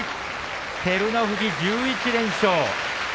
照ノ富士、１１連勝。